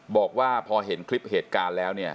บอกว่าพอเห็นคลิปเหตุการณ์แล้วเนี่ย